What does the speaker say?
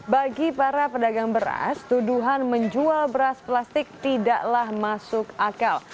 bagi para pedagang beras tuduhan menjual beras plastik tidaklah masuk akal